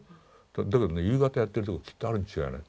だけどね夕方やってるとこきっとあるに違いない。